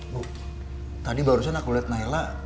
bu tadi barusan aku lihat naila